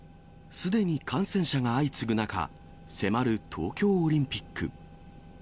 すでに感染者が相次ぐ中、迫る東京オリンピック。